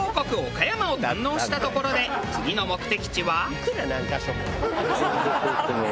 岡山を堪能したところで次の目的地は。